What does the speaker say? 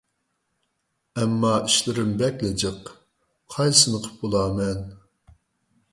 ئەمما ئىشلىرىم بەكلا جىق. قايسىسىنى قىلىپ بولارمەن؟